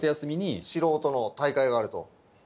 素人の大会があると。